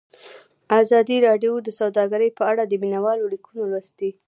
ازادي راډیو د سوداګري په اړه د مینه والو لیکونه لوستي.